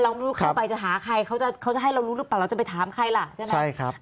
ไม่รู้เข้าไปจะหาใครเขาจะให้เรารู้หรือเปล่าเราจะไปถามใครล่ะใช่ไหม